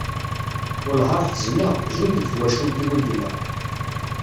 wallah ar ḥezneɣ, zun deg twacult-iw i yella.